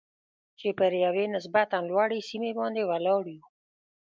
چې پر یوې نسبتاً لوړې سیمې باندې ولاړ یو.